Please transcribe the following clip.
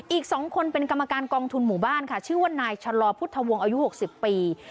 อีก๒คนเป็นกรรมการกองทุนหมู่บ้านค่ะชื่อว่านายชะลอพุทธวงศ์อายุ๖๐ปี